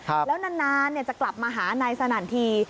แล้วนานเนี่ยจะกลับมาหานายสนั่นที